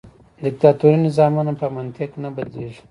دیکتاتوري نظامونه په منطق نه بدلیږي.